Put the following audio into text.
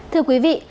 thưa quý vị